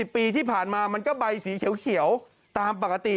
ปีที่ผ่านมามันก็ใบสีเขียวตามปกติ